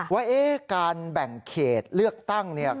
ว่าการแบ่งเขตเบื้องเลือกตั้ง